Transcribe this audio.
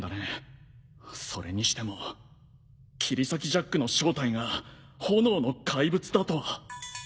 それにしても切り裂きジャックの正体が炎の怪物だとは。